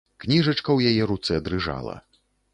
Кніжачка ў яе руцэ дрыжала.